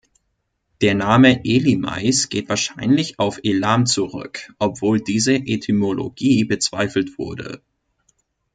Der Name Elymais geht wahrscheinlich auf Elam zurück, obwohl diese Etymologie bezweifelt wurde.